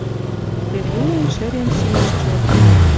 Тервенем шӹрен шиэш чоте.